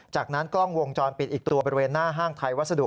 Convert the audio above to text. จากนั้นกล้องวงจรปิดอีกตัวบริเวณหน้าห้างไทยวัสดุ